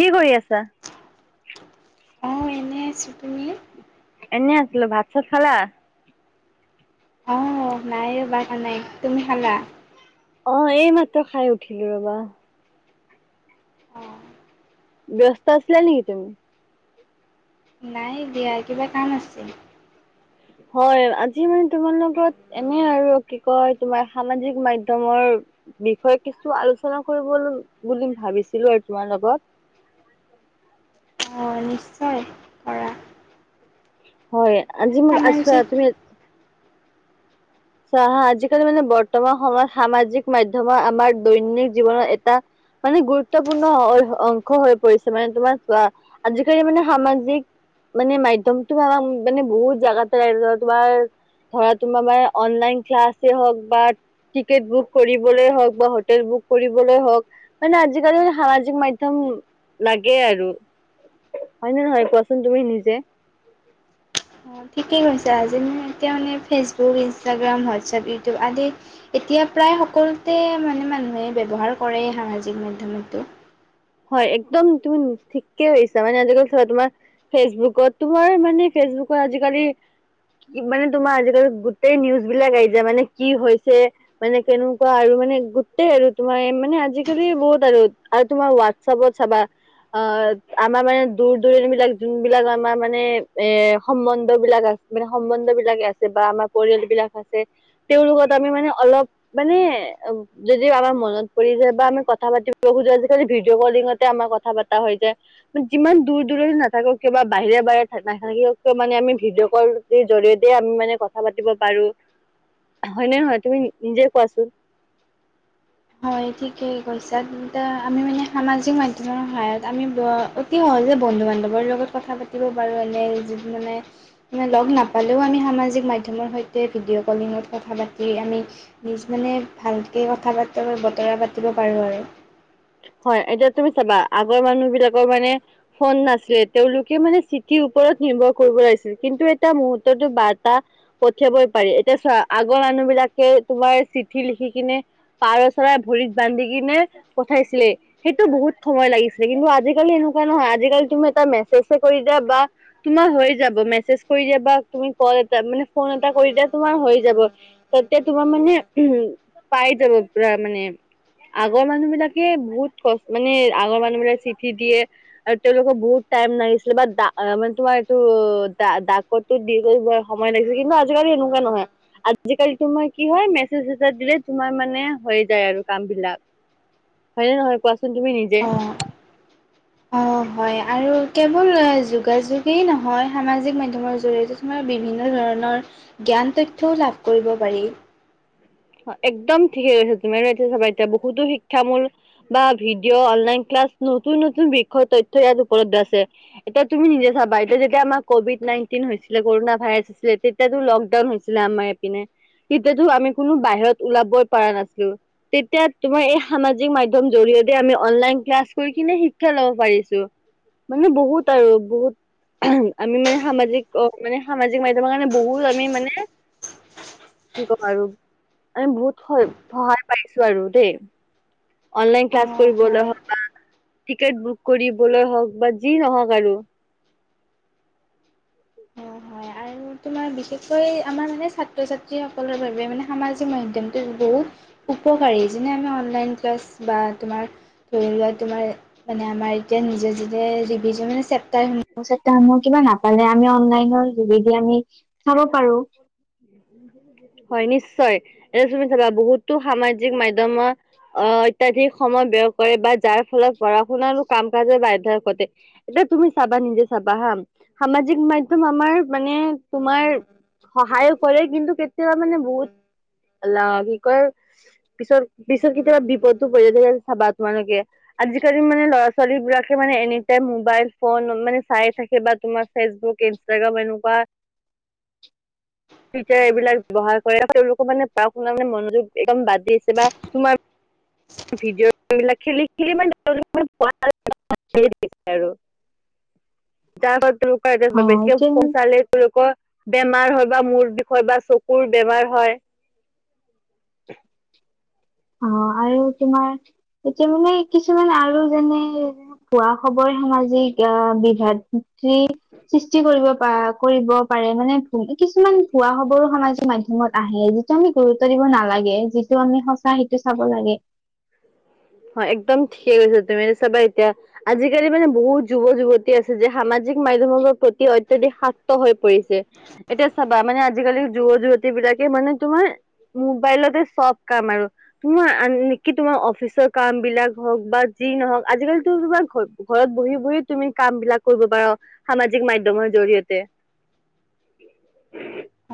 কি কৰি আছা? অ এনেই আছোঁ তুমি? এনেই আছিলো ভাত চাত খালা? আহ নাইয়ে ৰবা নাই তুমি খালা? অ এই মাত্ৰ খাই উঠিলো ৰবা। অঁ ব্যস্ত আছিলা নেকি তুমি? নাই বিয়াৰ কিবা কাম আছিল? হয় আজি মানে তোমালোকত এনে আৰু কি কয় তোমাৰ সামাজিক মাধ্যমৰ বিষয়ে কিছু আলোচনা কৰিব বুলি ভাবিছিলো আৰু তোমাৰ লগত? [unintelligible] অঁ নিশ্চয় কৰা হয় আজি মই আছো সামাজিক তুমি চা হা আজিকালি মানে বৰ্তমান সময়ত সামাজিক মাধ্যমত আমাৰ দৈনন্দিন জীৱনৰত এটা মানে গুৰুত্বপূৰ্ণ অংশ হৈ পৰিছে মানে তোমাৰ চোৱা আজিকালি মানে সামাজিক মানে মাধ্যম ধৰা মানে বহুত জোগাতে তোমাৰ ধৰা তোমাৰাৰ অনলাইন ক্লাছে হওক বা টিকেট বুক কৰিবলৈ হওক বা হোটেল বুক কৰিবলৈ হওক মানে আজিকালি সামাজিক মাধ্যম লাগে আৰু। হয় নে নহয় কোৱাচোন তুমি নিজে? ঠিকেই কৈছা আজি এতিয়া মানে ফেচবুক ইনষ্টাগ্ৰাম হোৱাটছআপ ইউটিউব আদি এতিয়া প্ৰায় সকলোতে মানে মানুহে ব্যৱহাৰ কৰে সামাজিক মাধ্যমতো। হয় একদম তুমি ঠিকেছা মানে আজিকাল চোৱা তোমাৰ ফেচবুকত তোমাৰ মানে ফেচবুকৰ আজিকালি কি মানে তোমাৰ আজিকালি গোতেই নিউজ বিলাক আহি যায় মানে কি হৈছে মানে কেনেকুৱা আৰু মানে গোটেই আৰু তোমাৰ মানে আজিকালি বহুত আৰু আৰু তোমাৰ হোৱাটছপত চাবা অ আমাৰ মানে দূৰ দূৰণি বিলাক যোন বিলাক আমাৰ মানে এ সম্বন্ধ বিলাক আছে মানে সম্বন্ধ বিলাকে আছে বা আমাৰ পৰিয়াল বিলাক আছে তেওঁওলোকত আমি মানে অলপ মানে যদিও আমাৰ মনত পৰি যায় বা আমি কথা পাতিব খোজো আজিকালি ভি ডঅ' কলিঙতে আমাৰ কথা পাতা হৈ যায়, যিমান দূৰ দূৰনিত নাথাকো কিয় কিবা বাহিৰে বাহিৰে নাথাকে ছবটো মানে আমি ভিডিঅ' কলৰ জৰিয়তে আমি মানে কথা পাতিব পাৰো। হয় নে নহয় তুমি নিজে কোৱাচোন। হয় ঠিকে কৈছা আমি মানে সামাজিক মাধ্যমৰ সহায়ত আমি অতি স হজে বন্ধু বান্ধৱৰ লগত কথা পাতিব পাৰোঁ এনে যত মানে লগ নাপালেও আমি সমাজি ক মাধ্যমৰ সৈতে ভিডিঅ' কলিঙত কথা পাতি আমি নিজ মানে ভালকৈ কথা বতৰা পাতিব পাৰোঁ আৰু। হয় এতিয়া তুমি চাবা আগৰ মানুহ বিলাকৰ মানে ফোন নাছিলে তেওঁলোকে মানে চিঠি ৰ ওৰত নিৰ্ভৰ কৰিব লাগিছিল কিন্তু এটা মুহূৰ্ততে বাৰ্তা পঠিয়াব পাৰে এতিয়া আগত মানুহ বিলাকে তোমাৰ চিঠি লিখি কিনে পাৰ চৰা ভৰিত বান্ধি কিনে পঠাইছিলে সেইটো বহুত সময় লাগিছিলে কিন্তু আজিকালি এনেকুৱা নহয় আজিকালি তুমি এটা মেছেজে কৰি দিয়া বা তোমাৰ হৈ যাব মেছেজ কৰি দিয়া বা তুমি কল এটা মানে ফোন এটা কৰি দিয়া তোমাৰ হৈ যাব তাতে তোমাৰ মানে উম পাই যাব পুৰা মানে আগৰ মানুহ বিলাক এই বহুত কষ্ট মানে আগৰ মানুহবিলাক চিঠি দিয়ে আৰু তেওঁলোকক বহুত টাইম লাগিছিলে বা অ মানে তোমাৰ এইটো অ ডাকতো দি কৰি ব সময় লাগিছে কিন্তু আজিকালি এনেকুৱা নহয়, আজিকালি তোমাৰ কি হয় মেছেজ চেছেজ দিলে তোমাৰ মানে হৈ যায় আৰু কাম বিলাক। হয়নে নহয় কোৱাচোন তুমি নিজে! অঁ অঁ হয় আৰু কেৱল যোগাযোগেই নহয়, সামাজিক মাধ্যমৰ জৰিয়তে তোমাৰ বিভিন্ন ধৰণ ধৰণৰ জ্ঞান তথ্যও লাভ কৰিব পাৰি একদম ঠিকে কৈছা, তুমি এতিয়া চাবা এতিয়া বহুতো শিক্ষা মূল বা ভিডিঅ' অনলাইন ক্লাছ নতুন নতুন বিষয় তথ্য ইয়াত উপলব্ধ আছে, এতিয়া তুমি নিজে চাবা, এতিয়া যেতিয়া আমাৰ কভিড নাইট বহুত দিন হৈছিলে, কৰুণা ভাইৰাছ তেতিয়াটো লকডাউন হৈছিলে আমাৰ এপিনে, তেতিয়াটো আমি কোনো বাহিৰত ওলাবই পৰা নাছিলো তেতিয়া তোমাৰ এই সামাজিক মাধ্যম জৰিয়তে আমি অনলাইন ক্লাছ কৰি কিনে শিক্ষা লব পাৰিছোঁ। মানে বহুত আৰু বহুত আমি মানে সামাজিক, অ মানে সামাজিক মাধ্যমৰ কাৰণে বহুত আমি মানে কি কম আৰু আমি বহুত স সহায় পাইছো আৰু দেই অনলাইন ক্লাছ অঁ হয় কৰিবলৈ টিকেট বুক কৰিবলৈ হওক বা যি নহওক আৰু হয় হয় আৰু তোমাৰ বিশেষকৈ আমাৰ মানে ছাত্ৰ ছাত্ৰী সকলৰ বাবে মানে সামাজিক মাধ্যমটো বহুত উপকাৰী, যোনে আমাক অনলাইন ক্লাছ বা তোমাৰ ধৰি লোৱা, তোমাৰ মানে আমাৰ এতিয়া [unintelligible] তাই নুপুচাই কিবা নাপালে আমি অনলাইনৰ যোগেদি আমি চাব পাৰো। [inaudible] হয় নিশ্চয়, এ তুমি চাবা বহুতো সামাজিক মাধ্যমত অহ অত্যাধিক সময়ত বিয় পৰে বা যাৰ ফলত পঢ়া শুনাৰো কাম কাজৰ বাধ্য ঘটে, এতিয়া তুমি চাবা নিজে চাবা হা সামাজিক মাধ্যম আমাৰ মানে তোমাৰ সহায়ও কৰে, কিন্তু কেতিয়াবা মানে বহুত অল কি কয়, পিছত পিছত কেতিয়াবা বিপদো পৰি যায়, তেতিয়া চাবা তোমালোকে আজিকালি মানে ল'ৰা ছোৱালী বিলাকে মানে এনিটাইম মোবাইল ফোন মানে চাই থাকে বা তোমাৰ ফেচবুক [unintelligible] এনেকুৱা। তেতিয়া এইবিলাক ব্যৱহাৰ কৰে তেওঁলোকৰ মানে পঢ়া-শুনা মানে মনোযোগ একদম বাদ দি আছে। বা তোমাৰ ভিডিঅ'বিলাক [inaudible] আৰু তাৰ বেছিকে অ' তেন পচালে তেওঁলোকৰ বেমাৰ হয় বা মোৰ বিষ হয় বা চকুৰ বেমাৰ হয়। [inaudible] অ' আৰু তোমাৰ, এতিয়া মানে কিছুমান আৰু যেনে ভুৱা খবৰ সামাজিক আহ বিভাতি সৃষ্টি কৰিব প কৰিব পাৰে মানে। কিছুমান ভুৱা খবৰো সামাজিক মাধ্যমত আহে, যিটো আমি গুৰুত্ব দিব নালাগে। যিটো আমি সঁচা সেই সেইটো চাব লাগে। হয় একদম ঠিকে কৈছা তুমি চাবা এতিয়া আজিকালি মানে বহুত যুৱ-যুৱতী আছে যে সামা জিক মাধ্যমৰ প্ৰতি অত্যাধিক শাক্ত হৈ পৰিছে। এতিয়া চাবা মানে আজিকালি যুৱ-যুৱতী বিলাক। মানে তোমাৰ মোবাইলতে চব কাম আৰু। তোমাৰ আনকি তোমাৰ অফিচৰ কাম বিলাক হওক বা যি নহওক আজিকালিতো তোমাৰ ঘ-ঘৰত বহি বহি তুমি কাম বিলাক কৰিব পাৰা। সামাজিক মাধ্যমৰ জৰিয়তে।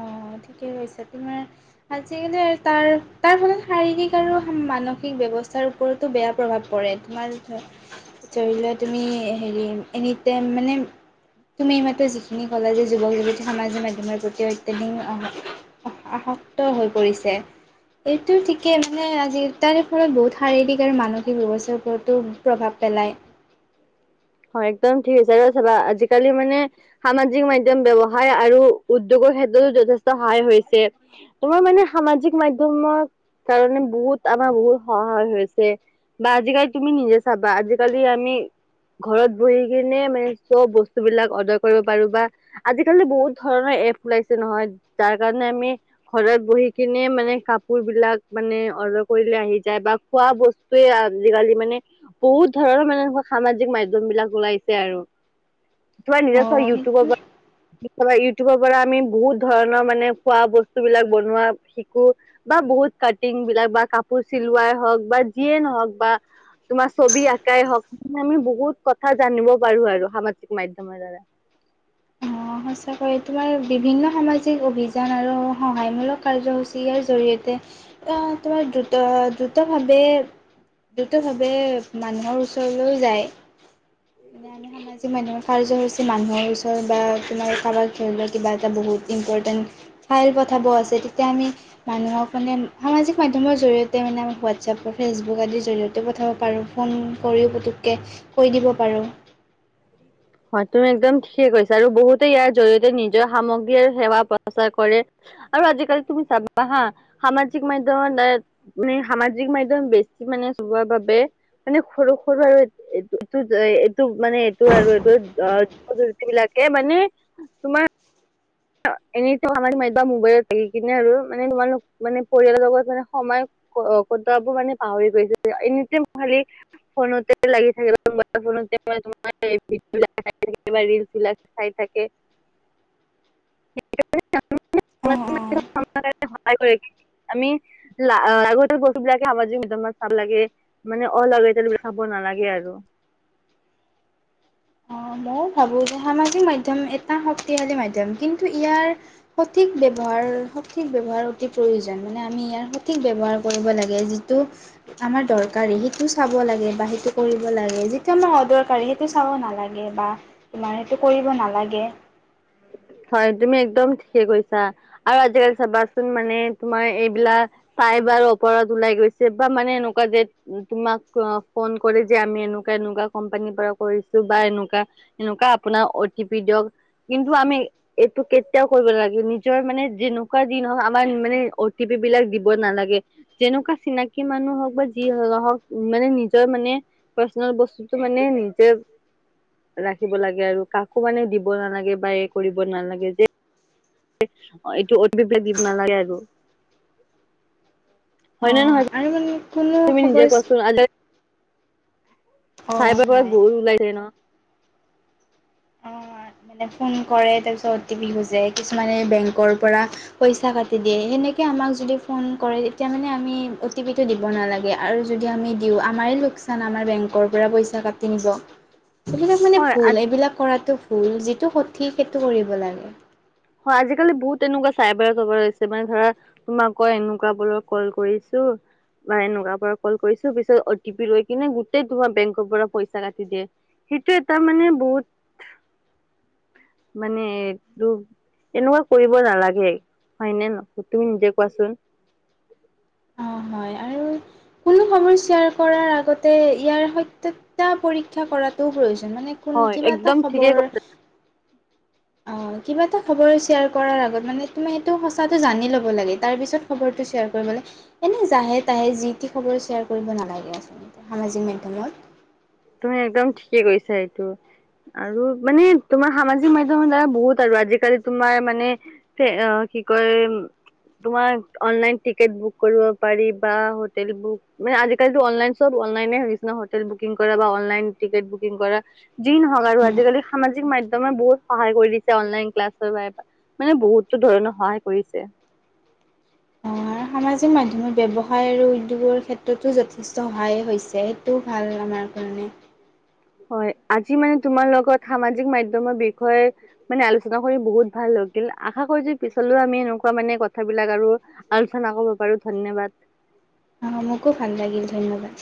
অ' ঠিকে কৈছে, তোমাৰ আজিকালি তাৰ তাৰ ফালে শাৰীৰিক আৰু মানসিক ব্যৱস্থাৰ ওপৰতো বেয়া প্ৰভাৱ পৰে তোমাৰ ধৰি লোৱা তুমি হেৰি এনিটাইম মানে তুমি এই মাত্ৰ যিখিনি কলা যে যুৱক যুৱতী সমামাজিক মাধ্যমৰ প্ৰতি অত্যধিক অ', আসক্ত হৈ পৰিছে। এইটো ঠিকেই মানে আজি তাৰে ফলত বহুত শাৰীৰিক আৰু মানসিক ব্যৱস্থাৰ ওপৰতো প্ৰভাৱ পেলায় হয়, একদম ঠিক আছে আৰু চাবা আজিকালি মানে সামাজিক মাধ্যম ব্যৱসাৰ আৰু উদ্যগৰ ক্ষেত্ৰতো যথেষ্ট সহায় হৈছে। তোমাৰ মানে সামাজিক মাধ্যমৰ কাৰণে বহুত আমাৰ বহুত সহায় হৈছে বা আজিকালি তুমি নিজে চাবা আজি কালি আমি, ঘৰত বহি কিনে মানে চব বস্তু বিলাক অৰ্ডাৰ কৰিব পাৰো বা আজিকালি বহুত ধৰণৰে। এপ ওলাইছে নহয় তাৰ কাৰণে আমি ঘৰত বহি কিনে মানে কাপোৰবিলাক মানে অৰ্ডাৰ কৰিলে আহি যায় বা খোৱা বস্তুৱে আজিকালি মানে বহুত। ধৰৰ মানে এনেকুৱা সামাজিক মাধ্যম বিলাক ওলাইছে আৰু তোমাৰ নিজে চোৱা অ' ইউটিউবৰ সেইটো পৰা তৰা ইউটিউবৰ পৰা আমি বহুত ধৰণৰ মানে খোৱা বস্তু বিলাক বনোৱা শিকো বা বহুত কাটিং বিলাক বা কাপোৰ চিলোৱাই হওঁক বা যিয়ে নহওক বা তোমাৰ ছবি আ শিকাই হওক আমি বহুত কথা জানিব পাৰোঁ আৰু সামাজিক মাধ্যমৰ দ্বাৰা। [inaudible] অ', সঁচাকৈয় তোমাৰ বিভিন্ন সামাজিক অভিযান আৰু সহায়মূলক কাৰ্যসূচী ইয়াৰ জৰিয়তে অ, তোমাৰ দ্ৰুত দ্ৰুতভাৱে দ্ৰুতভাৱে মানুহৰ ওচৰলৈও যায়। মানে আমি সামাজিক মাধ্যমৰ কাৰ্যসূচী মানুহৰ ওচৰত বা তোমাৰ কাৰোবাৰ ধৰি লোৱা কিবা এটা বহুত ইম্পৰ্টেণ্ট ফাইল পঠাব আছে তেতিয়া আমি মানুহক মানে সামাজিক মাধ্যমৰ জৰিয়তে মানে সোৱাদ হোৱাটছআপ, ফেচবুক আদিৰ জৰিয়তে পঠাব পাৰোঁ ফোন কৰিও পুটুকৈ কৈ দিব পাৰোঁ। [inaudible] হয় তুমি একদম ঠিকেই কৈছা আৰু বহুতে ইয়াৰ জৰিয়তে নিজৰ সামগ্ৰী আৰু সেৱা প্ৰচাৰ কৰে। আৰু আজিকালি তুমি চাবা হা সামাজিক মাধ্যমত মানে সামাজিক মাধ্যম বেছি মানে যোৱা বাবে মানে সৰু সৰু আৰু এই এইটো-এইটো মানে এইটো আৰু বিলাকে মানে তোমাৰ হয় এনেইতো আমাৰ মোবাইলত থাকি কিনে আৰু মানে তোমালোক মানে পৰিয়ালৰ লগত মানে সময় ফতা মানে পাহৰি গৈছে এনিটাইম খালি ফোনতে লাগি থাকে বা ফোনতে মই [unintelligible] বিলাক ৰিল চিল চাই থাকে। [unintelligible] অ', অ', [unintelligible] আমি লাগতিয়াল বস্তু বিলাকে সামাজিক মাধ্যমত চাব লাগে, মানে অলাগতীয়াল বিলাক চাব নালাগে আৰু। ময়ো ভাবোঁ যে সামাজিক মাধ্যম এটা শক্তিশালী মাধ্যম কিন্তু ইয়াৰ সঠিক ব্যৱহাৰ সঠিক ব্যৱহাৰ অতি প্ৰয়োজন মানে আমি ইয়াৰ সঠিক ব্যৱহাৰ কৰিব লাগে যিটো আমাৰ দৰকাৰী সেইটো চাব লাগে বা সেইটো কৰিব লাগে, যিটো আমাৰ অদৰকাৰী সেইটো চাব নালাগে লাগে বা, তোমাৰ সেইটো কৰিব নালাগে। হয় তুমি একদম ঠিকে কৈছা আৰু আজিকালি চাবাচোন মানে তোমাৰ এইবিলাক পাই বাৰ অপৰাধ ওলাই গৈছে বা মানে এনেকুৱা যে তোমাক ফোন কৰে যে আমি এনেকুৱা এনেকুৱা কোম্পানী পৰা কৰিছোঁ বা এনেকুৱা এনেকুৱা আপোনাৰ অ' টি পি দিয়ক কিন্তু আমি এইটো কেতিয়াও কৰিব লাগে নিজৰ মানে যেনেকুৱা যি নহওক আমাৰ মানে অ টি পি বিলাক দিব নালা [unintelligible] যেনেকুৱা চিনাকি মানুহ হক বা যি নহওক মানে নিজৰ মানে পাৰ্চনেল বস্তু বস্তুটো মানে নিজে ৰাখিব লাগে আৰু কাকো মানে দিব নালাগে বা এক কৰিব নালাগে যে। এইটো [unintelligible] দিব নালাগে আৰু হয় নে অ' নহয়। আৰু মানে কোনো তুমি নিজে খবৰ কোৱাচোন অ' চাইবাৰৰ পৰা হয় বহুত ওলাই যায় নহয়। অ' মানে ফোন কৰে তাৰ পিছত অটি পি খোজে কিছুমানে বেংকৰ পৰা পইচা কাটি দিয়ে সেনেকে। আমাক যদি ফোন কৰে তেতিয়া মানে আমি অ' টি পিটো দিব নালাগে আৰু যদি আমি দিওঁ আমাৰ লোক চান আমাৰ বেংকৰ পৰা পইচা কাটি নিব এইবিলাক মানে হয় ভুল আজি এইবিলাক কৰাটো ভুল, যিটো সঠিক সেইটো কৰিব লাগে। হয় আজিকালি বহুত এনেকুৱা চাইবাৰ [unintelligible] মানে ধৰা তোমাক কৈ এনেকুৱা বোৰৰ কল কৰিছোঁ। অ', বা এনেকুৱা পৰা কল কৰিছোঁ, পিছত অটি পি লৈ কিনে গোটেই তোমাৰ বেংকৰ পৰা পইচা কাটি দিয়ে। সেইটো এটা মানে বহুত মানে এনেকুৱা কৰিব নালাগে হয়নে ন তুমি নিজে কোৱাচোন? অ' [inaudible] হয় আৰু কোনো খবৰ শ্বেয়াৰ কৰাৰ আগতে ইয়াৰ সত্যতা পৰীক্ষা কৰাটো প্ৰয়োজন। মানে কোন হয় কিবা এটা একদম ঠিকে খবৰ। কৈছা [unintelligible] অ' কিবা এটা খবৰ শ্বেয়াৰ কৰাৰ আগত মানে তুমি সেইটো সঁচাটো জানি ল'ব লাগে তাৰ পিছ খবৰটো শ্বেয়াৰ কৰিব এনে জাহে তাহে যি তি খবৰ শ্বেয়াৰ কৰিব নালাগে আচলতে সামাজিক মাধ্যমত। তুমি একদম ঠিকে কৈছা এইটো। আৰু মানে তোমাৰ সামাজিক মাধ্যমত দ্বাৰা বহুত আৰু আজিকালি তোমাৰ মানে কি কয় তোমাৰ অনলাইন টিকেট বুক কৰিব পাৰি বা হোটেল বুক মানে আজিকালিো অনলাইন চ'ব অনলাইন কিছুমান হোটেল বুকিং কৰা বা অনলাইন টিকেট বুকিং কৰা যি নহওঁক আৰু আজিকালি সামাজিক মাধ্যম দমে বহুত সহায় কৰি দিছে অনলাইন ক্লাছৰ বাবে মানে বহুতো ধৰণৰ সহায় কৰিছে। [unintelligible] অ' সামাজিক মাধ্যমত ব্যৱসায় আৰু উদ্যোগৰ ক্ষেত্ৰতো যথেষ্ট সহায় হৈছে। সেইটো ভাল আমাৰ কাৰণে হয়, আজি মানে তোমাৰ লগত সামাজিক মাধ্যমৰ বিষয়ে মানে আলোচনা কৰি বহুত ভাল তুমি আশা কৰিছো পিছলৈও আমি এনেকুৱা মানে কথাবিলাক আৰু আলোচনা কৰিব পাৰো ধন্যবাদ। [unintelligible] অ' মোকো ভাল লাগিল, ধন্যবাদ।